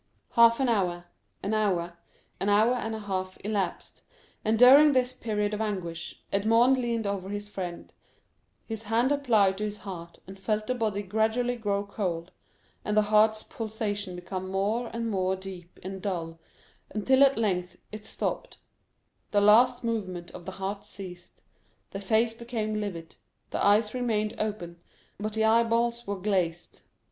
Half an hour, an hour, an hour and a half elapsed, and during this period of anguish, Edmond leaned over his friend, his hand applied to his heart, and felt the body gradually grow cold, and the heart's pulsation become more and more deep and dull, until at length it stopped; the last movement of the heart ceased, the face became livid, the eyes remained open, but the eyeballs were glazed.